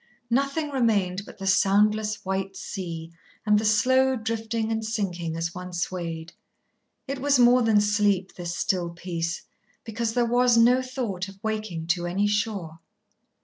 Nothing remained but the soundless white sea and the slow drifting and sinking as one swayed. It was more than sleep, this still peace, because there was no thought of waking to any shore.